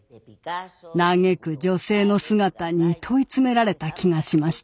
嘆く女性の姿に問い詰められた気がしました。